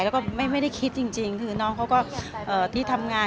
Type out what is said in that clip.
แล้วก็ไม่ได้คิดจริงคือน้องเขาก็ที่ทำงาน